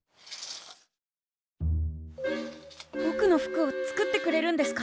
ぼくの服を作ってくれるんですか？